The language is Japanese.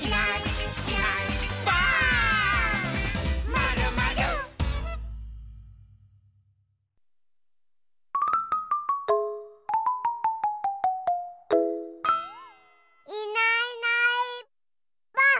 「まるまる」いないいないばあっ！